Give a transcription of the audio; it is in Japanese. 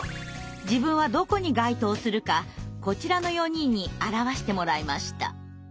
自分はどこに該当するかこちらの４人に表してもらいました。